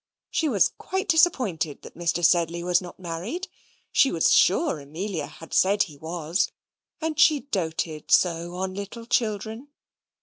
She was quite disappointed that Mr. Sedley was not married; she was sure Amelia had said he was, and she doted so on little children.